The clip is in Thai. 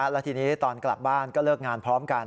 แล้วทีนี้ตอนกลับบ้านก็เลิกงานพร้อมกัน